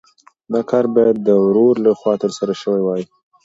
دا کار باید د ورور لخوا ترسره شوی وای.